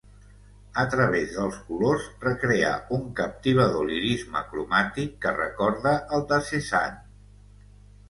A través dels colors recreà un captivador lirisme cromàtic que recorda el de Cézanne.